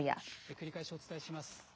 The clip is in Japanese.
繰り返しお伝えします。